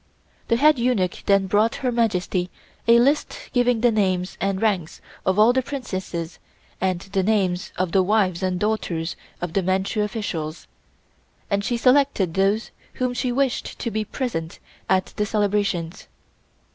The head eunuch then brought Her Majesty a list giving the names and ranks of all the Princesses and the names of the wives and daughters of the Manchu officials, and she selected those whom she wished to be present at the celebrations.